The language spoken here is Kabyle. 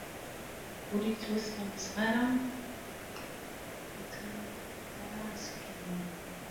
Ur yettwasɣelles ara uselkim-nni.